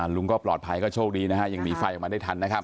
ลุงก็ปลอดภัยก็โชคดีนะฮะยังหนีไฟออกมาได้ทันนะครับ